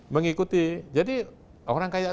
mengikuti jadi orang kayak